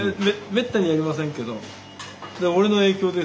めったにやりませんけど。